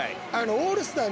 オールスター